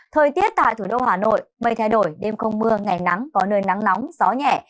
thời tiết tại thủ đô hà nội mây thay đổi đêm không mưa ngày nắng có nơi nắng nóng gió nhẹ